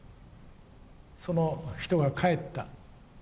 その人が帰った。